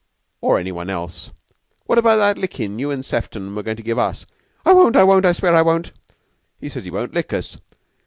"Or any one else. What about that lickin' you and Sefton were goin' to give us?" "I won't! I won't! I swear I won't!" "He says he won't lick us.